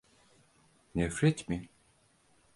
Nefret mi?